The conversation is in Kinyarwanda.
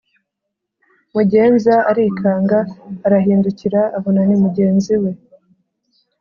Mugenza arikanga arahindukira abona nimugenzi we